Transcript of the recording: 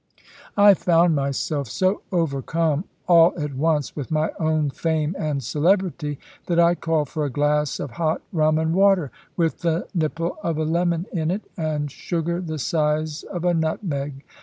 I found myself so overcome all at once with my own fame and celebrity, that I called for a glass of hot rum and water, with the nipple of a lemon in it, and sugar the size of a nutmeg.